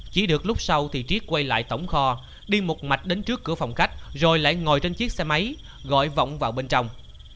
chỉ được lúc sau thì triết quay lại tổng kho đi một mạch đến trước cửa phòng khách rồi lại ngồi trên chiếc xe máy gọi vọng vào bên trong